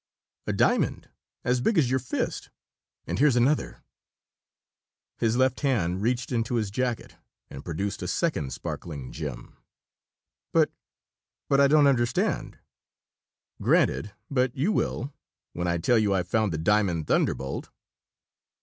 "A diamond. As big as your fist! And here's another!" His left hand reached into his jacket and produced a second sparkling gem. "But but I don't understand " "Granted. But you will, when I tell you I've found the Diamond Thunderbolt!"